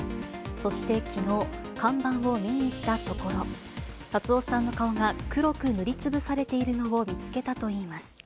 そしてきのう、看板を見に行ったところ、辰夫さんの顔が黒く塗りつぶされているのを見つけたといいます。